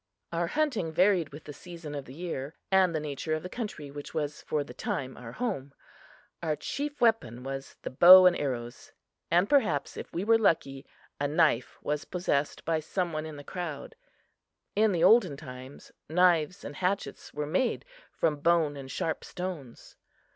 Our hunting varied with the season of the year, and the nature of the country which was for the time our home. Our chief weapon was the bow and arrows, and perhaps, if we were lucky, a knife was possessed by some one in the crowd. In the olden times, knives and hatchets were made from bone and sharp stones.